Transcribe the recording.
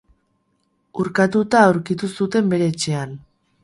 Urkatuta aurkitu zuten bere etxean.